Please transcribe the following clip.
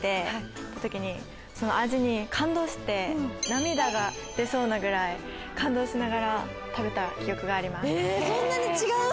涙が出そうなぐらい感動しながら食べた記憶があります。